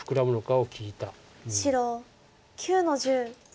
白９の十。